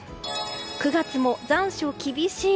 ９月も残暑厳しい。